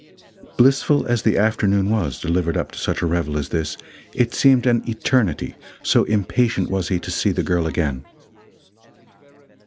Blissful as the afternoon was, delivered up to such a revel as this, it seemed an eternity, so impatient was he to see the girl again.